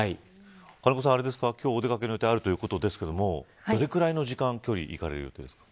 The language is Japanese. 金子さん、今日お出掛けの予定があるということですがどれぐらいの時間、距離行かれる予定ですか。